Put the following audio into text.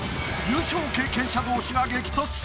優勝経験者同士が激突！